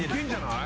いい！